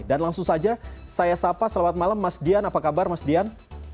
dan langsung saja saya sapa selamat malam mas dian apa kabar mas dian